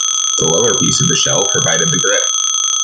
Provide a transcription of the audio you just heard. The lower piece of the shell provided the grip.